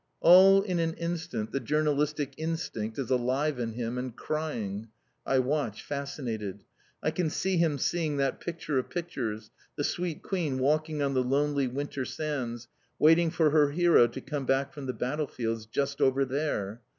All in an instant, the journalistic instinct is alive in him, and crying. I watch, fascinated. I can see him seeing that picture of pictures, the sweet Queen walking on the lonely winter sands, waiting for her hero to come back from the battlefields, just over there.